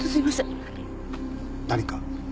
何か？